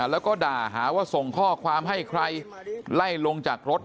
แล้วก็ด่าหาว่าส่งข้อความให้ใครไล่ลงจากรถ